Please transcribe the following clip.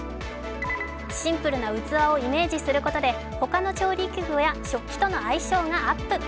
シンプルな器をイメージすることでほかの調理器具や食器との相性がアップ。